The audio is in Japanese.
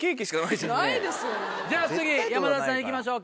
じゃあ次山田さんいきましょうか。